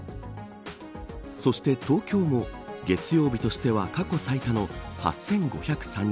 そして、東京も月曜日としては過去最多の８５０３人。